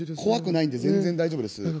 怖くないんで全然大丈夫です。